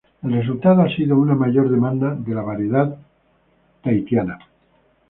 El resultado ha sido una mayor demanda de la variedad tahitiana.